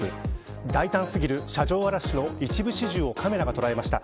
大胆すぎる車上荒らしの一部始終をカメラが捉えました。